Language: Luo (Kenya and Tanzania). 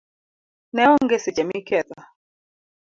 neonge seche miketho